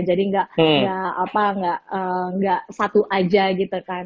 jadi nggak satu aja gitu kan